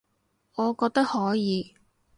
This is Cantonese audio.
我覺得可以